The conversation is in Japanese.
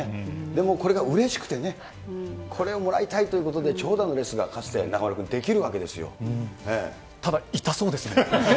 でもこれがうれしくてね、これをもらいたいということで、長蛇の列が、かつて中丸君、ただ、痛そうですね。